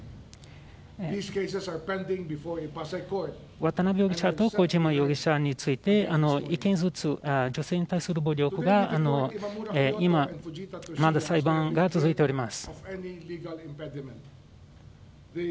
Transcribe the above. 渡辺容疑者と小島容疑者について１件ずつ、女性に対する暴力が今、まだ裁判が続いております。